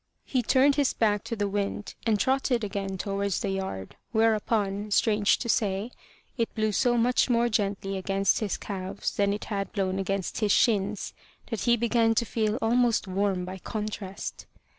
He turned his back to the wind, and trotted again towards the yard; whereupon, strange to say, it blew so much more gently against his calves than it had blown against his shins that he began to feel almost warm by contrast.